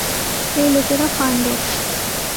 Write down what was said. এই লোকেরা ফান্ডেড।